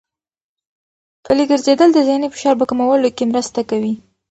پلي ګرځېدل د ذهني فشار په کمولو کې مرسته کوي.